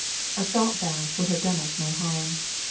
A salt bath would have done us no harm.